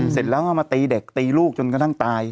เสร็จแล้วก็มาตีเด็กตีลูกจนกระทั่งตาย